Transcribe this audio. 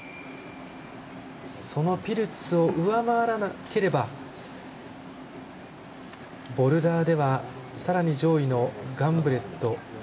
そのピルツを上回らなければボルダーではさらに上位のガンブレット。